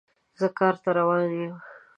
زه کار ته روان یم